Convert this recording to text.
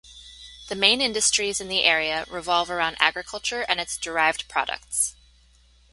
The main industries in the area revolve around agriculture and its derived products.